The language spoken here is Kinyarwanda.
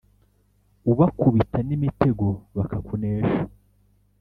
Ubakubita n'imitego bakakunesha